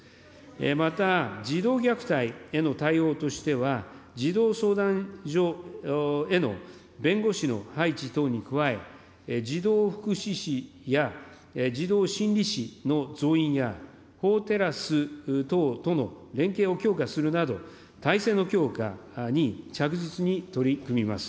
また、児童虐待への対応としては、児童相談所への弁護士の配置等に加え、児童福祉司や児童心理士の増員や、法テラス等との連携を強化するなど、態勢の強化に着実に取り組みます。